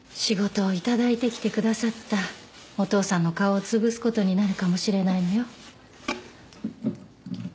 仕事を頂いてきてくださったお父さんの顔を潰す事になるかもしれないのよ。